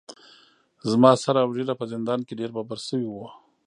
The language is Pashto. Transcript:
زما سر اوږېره په زندان کې ډیر ببر شوي وو.